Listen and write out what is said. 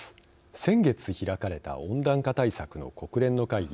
先月開かれた温暖化対策の国連の会議